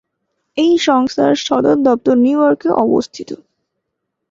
এই সংস্থার সদর দপ্তর নিউ ইয়র্কে অবস্থিত।